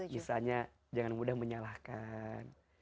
misalnya jangan mudah menyalahkan